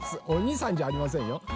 おにさんじゃありませんよ。